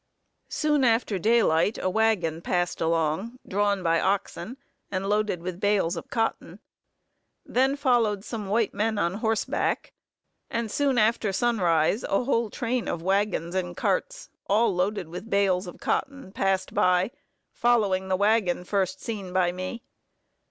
Soon after daylight a wagon passed along, drawn by oxen, and loaded with bales of cotton; then followed some white men on horseback, and soon after sunrise a whole train of wagons and carts, all loaded with bales of cotton, passed by, following the wagon first seen by me.